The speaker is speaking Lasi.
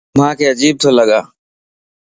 مانک عجيب تو لڳا